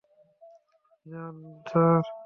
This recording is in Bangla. ডান, স্যার।